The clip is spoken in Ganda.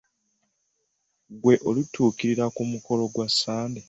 Gwe olitukiikirira ku mukolo gwa Ssendi.